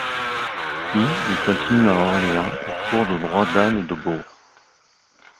Puis il continue à Orléans aux cours de droit d'Anne de Bourg.